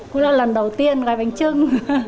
cũng là lần đầu tiên gói bánh trưng